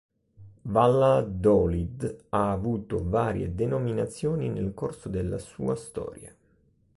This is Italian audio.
Valladolid ha avuto varie denominazioni nel corso della sua storia.